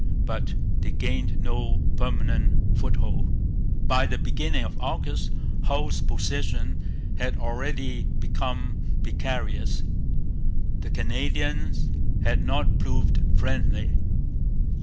But they gained no permanent foothold. By the beginning of August Hull's position had already become precarious. The Canadians had not proved friendly.